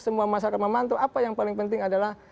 semua masyarakat memantau apa yang paling penting adalah